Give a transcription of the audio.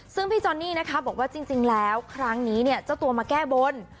ซึ่งพี่จนนี่บอกว่าจริงแล้วครั้งนี้เจ้าตัวมาแก้บ้น